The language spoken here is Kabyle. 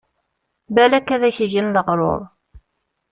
Balak ad ak-gen leɣrur.